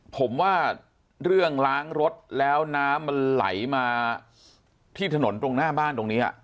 ผมว่าเรื่องล้างรถแล้วน้ำมันไหลมาที่ถนนตรงหน้าบ้านตรงนี้